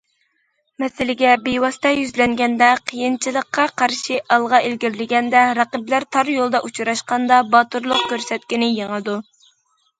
مەسىلىگە بىۋاسىتە يۈزلەنگەندە، قىيىنچىلىققا قارشى ئالغا ئىلگىرىلىگەندە، رەقىبلەر تار يولدا ئۇچراشقاندا باتۇرلۇق كۆرسەتكىنى يېڭىدۇ.